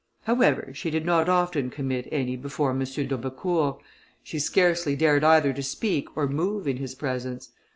However, she did not often commit any before M. d'Aubecourt; she scarcely dared either to speak or move in his presence.